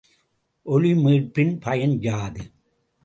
ஒலிமீட்பின் பயன் யாது?